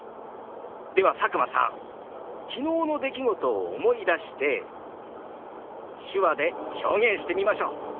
では佐久間さん昨日の出来事を思い出して手話で表現してみましょう。